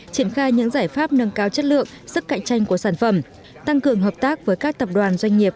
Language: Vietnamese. triển khai những giải pháp nâng cao chất lượng sức cạnh tranh của sản phẩm tăng cường hợp tác với các tập đoàn doanh nghiệp